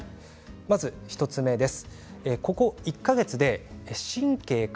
まず１つ目です。